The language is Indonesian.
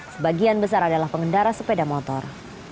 sebagian besar adalah pengendara sepeda motor